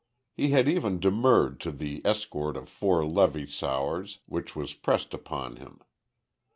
He had even demurred to the escort of four Levy sowars, which was pressed upon him.